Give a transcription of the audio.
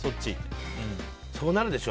そうなるでしょ。